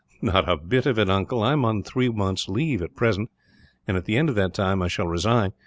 "Not a bit of it, uncle. I am on three months' leave at present and, at the end of that time, I shall resign.